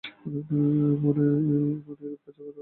মন শরীরের উপর কার্য করে, আবার শরীরও মনের উপর ক্রিয়াশীল।